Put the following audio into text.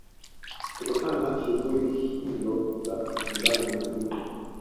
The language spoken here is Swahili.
Kutokana na shughuli hizo za uchimbaji madini